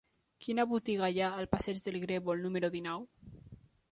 Quina botiga hi ha al passeig del Grèvol número dinou?